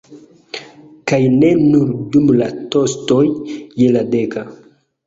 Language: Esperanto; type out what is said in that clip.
Kaj ne nur dum la tostoj je la deka.